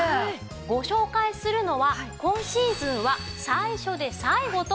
ご紹介するのは今シーズンは最初で最後となります。